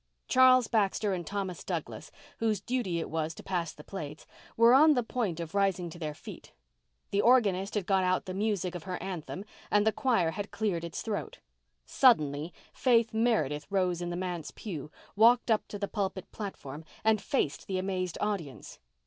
Charles Baxter and Thomas Douglas, whose duty it was to pass the plates, were on the point of rising to their feet. The organist had got out the music of her anthem and the choir had cleared its throat. Suddenly Faith Meredith rose in the manse pew, walked up to the pulpit platform, and faced the amazed audience.